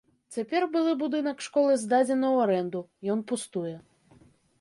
Цяпер былы будынак школы здадзены ў арэнду, ён пустуе.